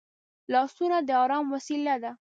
لاسونه د ارام وسیله ده